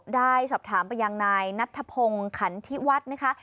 ได้สอบถามไปยังนายนัทธพงศ์ขันธิวัฒน์นะคะ